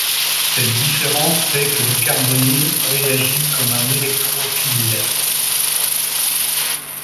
Cette différence fait que le carbonyle réagit comme un électrophile.